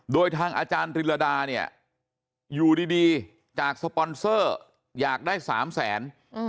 โดยทางอาจารย์ริรดาเนี่ยอยู่ดีจากสปอนเซอร์อยากได้๓แสน